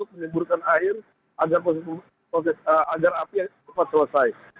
dan menguruskan air agar api sempat selesai